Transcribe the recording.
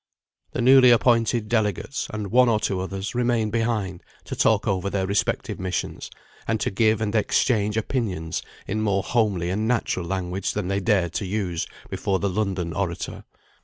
The newly appointed delegates, and one or two others, remained behind to talk over their respective missions, and to give and exchange opinions in more homely and natural language than they dared to use before the London orator.